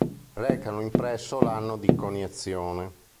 Recano impresso l'anno di coniazione.